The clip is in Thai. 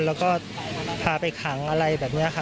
แล้วก็พาไปขังอะไรแบบนี้ค่ะ